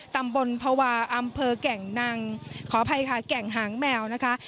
ตำบลภาวะอำเภอแก่งนังขออภัยค่ะแก่งหางแมวนะคะ